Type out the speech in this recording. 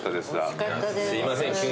すいません